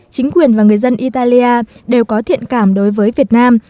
chính quyền và người dân italia đều có thiện cảm đối với việt nam